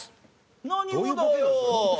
何をだよ！